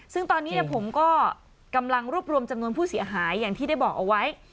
ซึ่งตอนนี้ผมก็กำลังรวบรวมจำนวนผู้เสียหายอย่างที่ได้บอกเอาไว้